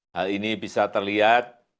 hal ini bisa terlihat